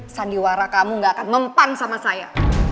sandiwara kamu gak akan mempan sama saya